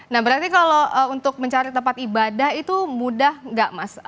nah berarti kalau untuk mencari tempat ibadah itu mudah nggak mas